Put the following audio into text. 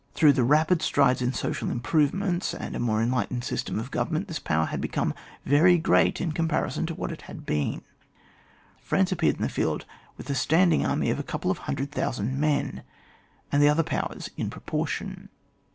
Through the rapid strides in social im provements, and a more enlightened system of government, this power had become very great in comparison to what it had been. France appecu^ in the field with a standing army of a couple of hundred thousand men, and the other powers in proportion.